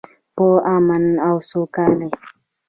په امن او سوکالۍ کې.